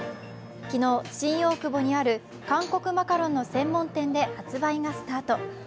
昨日、新大久保にある韓国マカロンの専門店で発売がスタート。